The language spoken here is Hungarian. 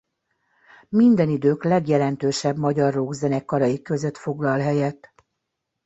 Minden idők legjelentősebb magyar rockzenekarai között foglal helyet.